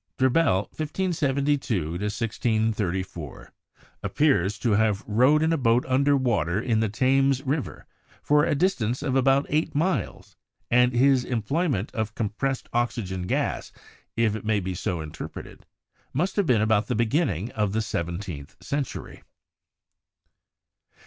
Dreb bel (1572 1634) appears to have rowed in a boat under water in the Thames River for a distance of about eight miles, and his employment of compressed oxygen gas, if it may be so interpreted, must have been about the begin ning of the seventeenth century.